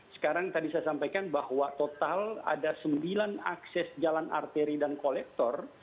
sekarang tadi saya sampaikan bahwa total ada sembilan akses jalan arteri dan kolektor